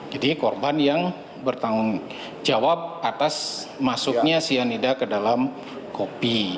jadi korban yang bertanggung jawab atas masuknya sianida ke dalam kopi